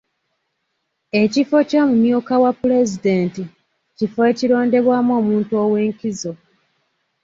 Ekifo ky'omumyuka wa pulezidenti, kifo ekirondebwamu omuntu ew'enkizo.